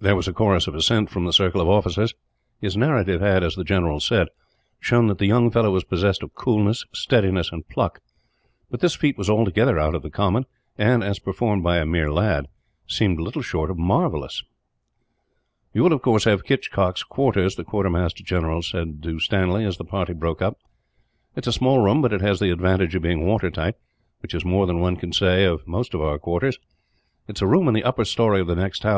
There was a chorus of assent from the circle of officers. His narrative had, as the general said, shown that the young fellow was possessed of coolness, steadiness, and pluck; but this feat was altogether out of the common and, as performed by a mere lad, seemed little short of marvellous. "You will, of course, have Hitchcock's quarters," the quartermaster general said to Stanley, as the party broke up. "It is a small room, but it has the advantage of being water tight, which is more than one can say of most of our quarters. It is a room in the upper storey of the next house.